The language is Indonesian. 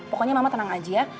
pokoknya mama tenang aja ya